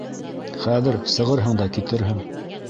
Хәҙер сығырһың да китерһең.